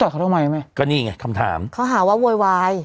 ต่อเขาเรื่องมั้ยกะนี่ไงคำถามเขาหาว่าโวยวาย